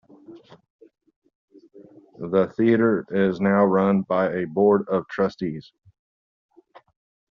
The theatre is now run by a board of trustees.